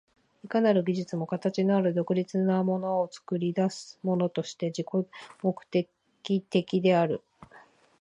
いかなる技術も形のある独立なものを作り出すものとして自己目的的である。